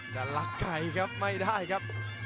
จะลักไก่ครับไม่ได้ครับ